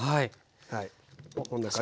もうこんな感じ。